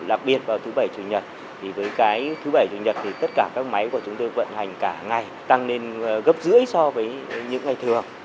đặc biệt vào thứ bảy chủ nhật thì với cái thứ bảy chủ nhật thì tất cả các máy của chúng tôi vận hành cả ngày tăng lên gấp rưỡi so với những ngày thường